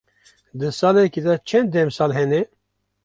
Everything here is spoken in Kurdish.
Di salekê de çend demsal hene?